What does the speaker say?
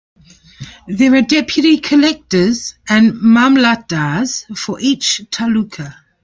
There are Deputy Collectors and Mamlatdars for each Taluka.